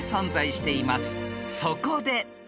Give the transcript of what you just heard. ［そこで］